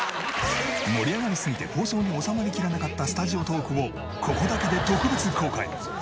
盛り上がりすぎて放送に収まりきらなかったスタジオトークをここだけで特別公開。